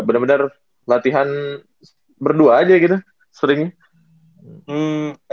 bener bener latihan berdua aja gitu seringnya